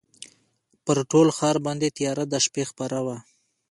پر ټول ښار باندي تیاره د شپې خپره وه